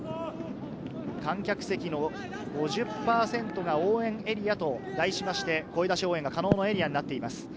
観客席の５０％が応援エリアと題しまして、声出し応援が可能のエリアになっています。